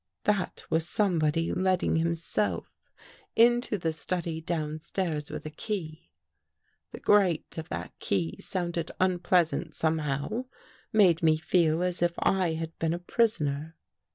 That was somebody letting himself into the study downstairs with a key. The grate of that key sounded unpleasant somehow, made me feel as if I had been a prisoner.